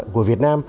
của việt nam